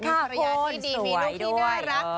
ภรรยาที่ดีมีลูกที่น่ารัก